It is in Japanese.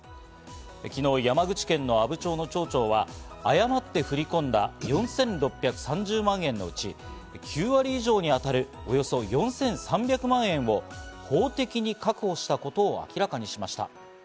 昨日山口県の阿武町の町長は誤って振り込んだ４６３０万円のうち、９割以上にあたる、およそ４３００万円を法的に確保したことを明らかにしました。